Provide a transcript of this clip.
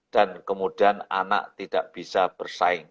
kemudian anak tidak bisa bersaing